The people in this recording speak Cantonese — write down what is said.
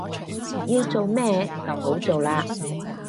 要做咩就好做喇